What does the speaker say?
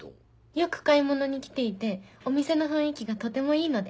よく買い物に来ていてお店の雰囲気がとてもいいので。